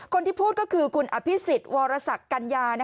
คนที่พูดก็คือคุณอภิษฎวรสักกัญญา